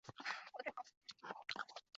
伊织是日本的女歌手。